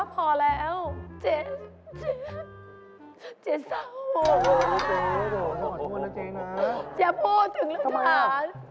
คุณพ่อเจนก็เป็นทหาร